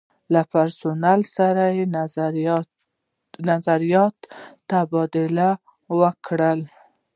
له پرسونل سره د نظریاتو تبادله وکړو.